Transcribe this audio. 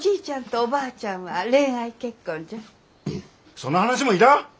その話もいらん！